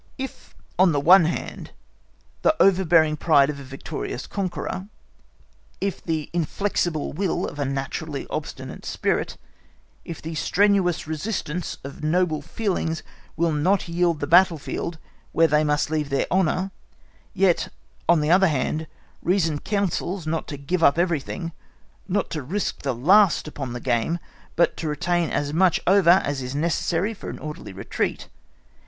If, on the one hand the overbearing pride of a victorious conqueror, if the inflexible will of a naturally obstinate spirit, if the strenuous resistance of noble feelings will not yield the battlefield, where they must leave their honour, yet on the other hand, reason counsels not to give up everything, not to risk the last upon the game, but to retain as much over as is necessary for an orderly retreat.